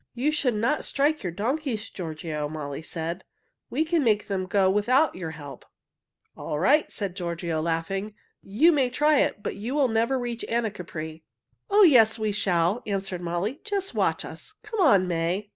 "You should not strike your donkeys, Giorgio," Molly said. "We can make them go without your help." "All right," said Giorgio, laughing. "You may try it, but you will never reach Anacapri." "Oh, yes, we shall!" answered Molly. "Just watch us. Come on, May!"